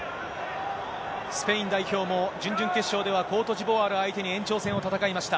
スペイン代表も準々決勝ではコートジボワール相手に延長戦を戦いました。